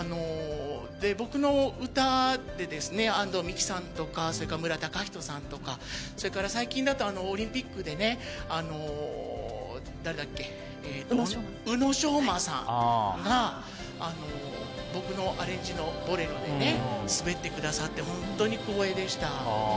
僕の歌で安藤美姫さんとか無良崇人さんとかそれから最近だとオリンピックでの宇野昌磨さんが僕のアレンジの「ボレロ」で滑ってくださって本当に光栄でした。